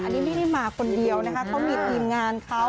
อันนี้ไม่ได้มาคนเดียวนะคะเขามีทีมงานเขา